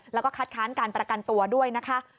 แล้วก็คัดค้านการประกันตัวด้วยนะคะ